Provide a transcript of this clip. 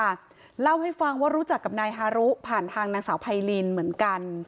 เล่าให้ฟังว่ารู้จักกับนายฮารุผ่านทางนางสาวไพรินเหมือนกัน